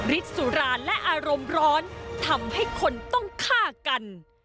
สุราและอารมณ์ร้อนทำให้คนต้องฆ่ากัน